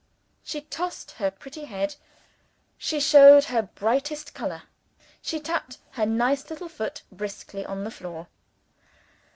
She tossed her pretty head; she showed her brightest color; she tapped her nice little foot briskly on the floor.